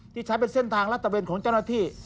ที่ใช้เป็นเส้นทางลัดตะเวนของเจ้าหน้าที่